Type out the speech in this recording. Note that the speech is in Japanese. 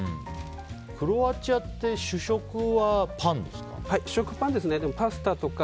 クロアチアって主食はパンですか。